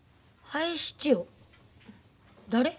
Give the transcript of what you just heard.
誰？